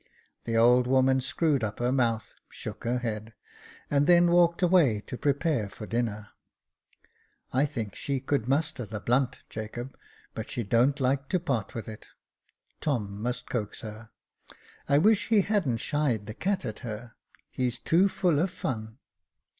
The old woman screwed up her mouth, shook her head, and then walked away to prepare for dinner. "I think she could muster the blunt, Jacob, but she don't like to part with it. Tom must coax her. I wish he hadn't shied the cat at her. He's too full of fun."